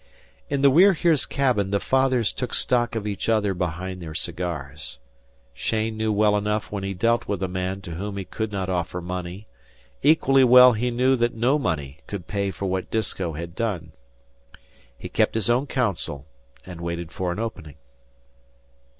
In the We're Here's cabin the fathers took stock of each other behind their cigars. Cheyne knew well enough when he dealt with a man to whom he could not offer money; equally well he knew that no money could pay for what Disko had done. He kept his own counsel and waited for an opening.